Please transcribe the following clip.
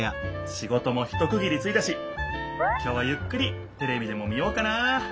仕事もひとくぎりついたしきょうはゆっくりテレビでも見ようかな。